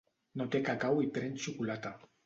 No té cacau i pren xocolata.